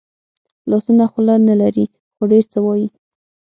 لاسونه خوله نه لري خو ډېر څه وايي